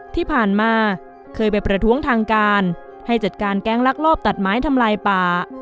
ที่ผ่านมาเคยไปประท้วงทางการให้จัดการแก๊งลักลอบตัดไม้ทำลายป่า